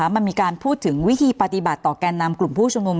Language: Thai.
มันมีการพูดถึงวิธีปฏิบัติต่อแก่นำกลุ่มผู้ชุมนุม